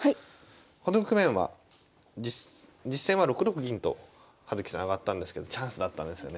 この局面は実戦は６六銀と葉月さん上がったんですけどチャンスだったんですよね。